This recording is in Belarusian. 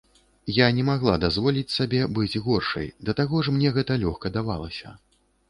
Я не магла дазволіць сабе быць горшай, да таго ж мне гэта лёгка давалася.